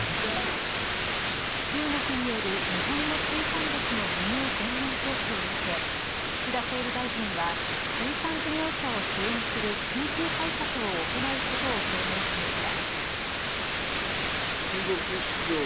中国による日本の水産物の輸入全面停止を受け岸田総理大臣は水産事業者を支援する緊急対策を行うことを表明しました。